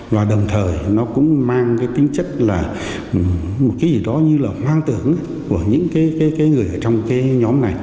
và đồng thời nó cũng mang cái tính chất là một cái gì đó như là hoang tưởng của những cái người ở trong cái nhóm này